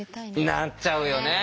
なっちゃうよね。